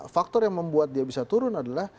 faktor yang membuat dia bisa turun adalah